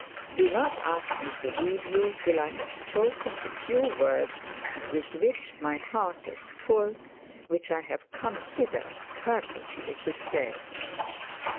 'Do not ask me to leave you, till I have spoken a few words with which my heart is full; which I have come hither purposely to say.'